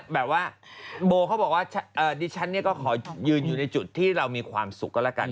แบบว่าโบเขาบอกว่าดิฉันเนี่ยก็ขอยืนอยู่ในจุดที่เรามีความสุขก็แล้วกัน